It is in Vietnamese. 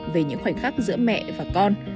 về những khoảnh khắc giữa mẹ và con